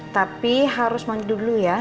tapi harus mandi dulu ya